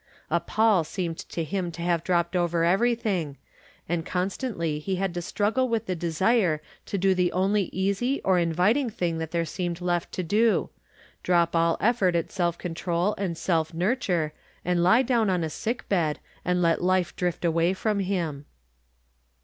A pall seemed to him to have dropped over everything, and constantly he had to struggle with the desire to do the only easy or inviting thing that there seemed left to do — drop all ef fort at self control and self nurture, and lie down on a sicli bed and let life drift away from him.